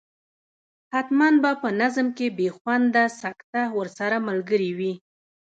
حتما به په نظم کې بې خونده سکته ورسره ملګرې وي.